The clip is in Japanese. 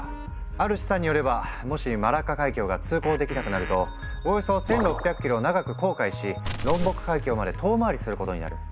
ある試算によればもしマラッカ海峡が通航できなくなるとおよそ１，６００ｋｍ長く航海しロンボク海峡まで遠回りすることになる。